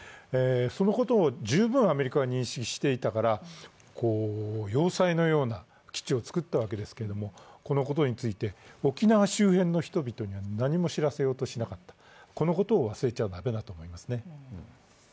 そのことを十分アメリカは認識していたから、要塞のような基地を作ったわけですけれども、このことについて、沖縄周辺の人々には何も知らせようとしなかったこのことを忘れてはだめだと思いますね。